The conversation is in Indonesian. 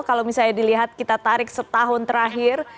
kalau misalnya dilihat kita tarik setahun terakhir